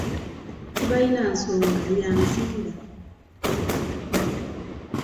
Tebalina nsonga ya ssimba ebaawukanya.